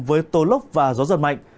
với tố lốc và gió giật mạnh